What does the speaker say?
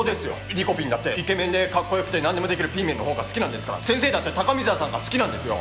リコピンだってイケメンでかっこ良くてなんでもできるピーメンのほうが好きなんですから先生だって高見沢さんが好きなんですよ。